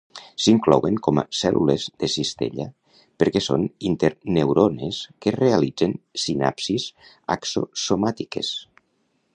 S'inclouen com a cèl·lules de cistella perquè són interneurones que realitzen sinapsis axo-somàtiques.